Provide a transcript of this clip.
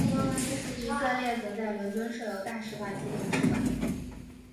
以色列则在伦敦设有大使馆及领事馆。